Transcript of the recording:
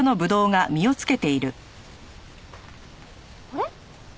あれ？